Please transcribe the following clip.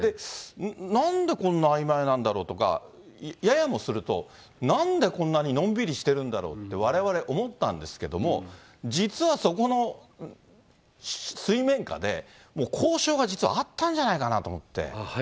なんでこんなあいまいなんだろうとか、ややもすると、なんでこんなにのんびりしてるんだろうって、われわれ思ったんですけども、実はそこの水面下で、もう交渉が実はあったんじゃないかなと思って。